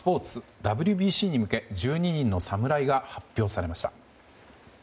ＷＢＣに向け１２人の侍が発表されました。